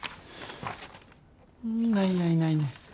ないない、ないない。